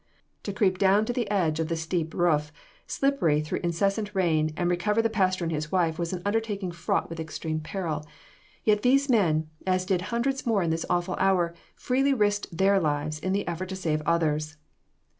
To creep down to the edge of the steep roof, slippery through incessant rain and recover the pastor and his wife was an undertaking fraught with extreme peril, yet these men, as did hundreds more in this awful hour, freely risked their lives in the effort to save others.